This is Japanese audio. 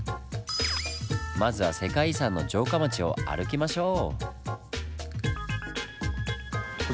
まずは世界遺産の城下町を歩きましょう！